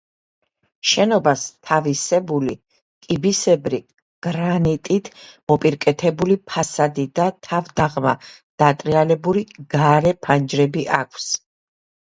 შენობას თავისებული კიბისებრი გრანიტით მოპირკეთებული ფასადი და თავდაღმა დატრიალებული გარე ფანჯრები აქვს.